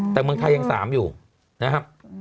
แต่เมืองไทยยัง๓อยู่นะครับ